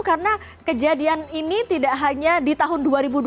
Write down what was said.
karena kejadian ini tidak hanya di tahun dua ribu dua puluh dua